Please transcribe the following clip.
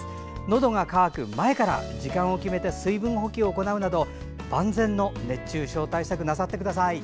のどが渇く前から時間を決めて水分補給を行うなど万全の熱中症対策なさってください。